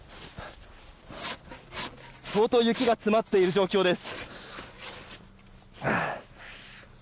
相当、雪が詰まっている状況です。